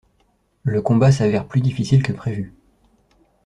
Le combat s’avère plus difficile que prévu.